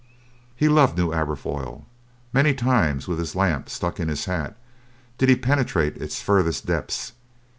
He loved New Aberfoyle. Many times, with his lamp stuck in his hat, did he penetrate its furthest depths.